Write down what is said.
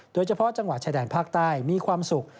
โดยเฉพาะจังหวัดชายแดนภาคใต้มีความสุข